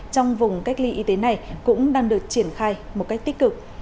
trong vùng cách ly y tế này cũng đang được triển khai một cách tích cực